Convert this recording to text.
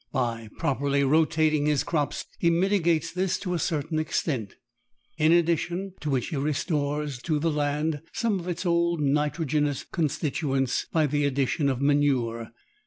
By properly rotating his crops he mitigates this to a certain extent, in addition to which he restores to the land some of its old nitrogenous constituents by the addition of manure.